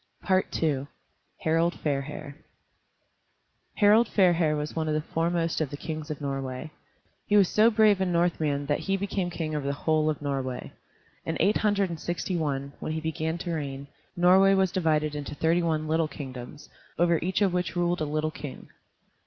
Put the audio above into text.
II HARALD FAIRHAIR Harald Fairhair was one of the foremost of the kings of Norway. He was so brave a Northman that he became king over the whole of Norway. In eight hundred and sixty one, when he began to reign, Norway was divided into thirty one little kingdoms, over each of which ruled a little king.